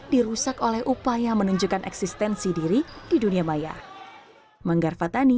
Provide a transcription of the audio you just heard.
dirusak oleh upaya menunjukkan eksistensi diri di dunia maya